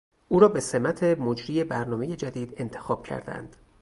او را به سمت مجری برنامه جدید انتخاب کردهاند.